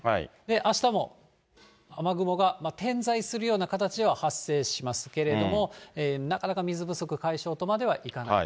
あしたも雨雲が点在するような形では発生しますけれども、なかなか水不足解消とまではいかない。